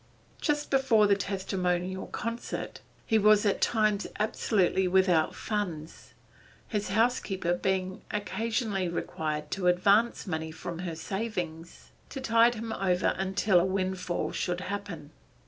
Just before the testimonial concert, he was at times absolutely without funds, his housekeeper being occasionally required to advance money from her savings to tide him over until a windfall should happen.